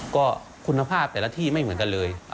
ก็คุณภาพแต่ละที่ไม่เหมือนกันเลย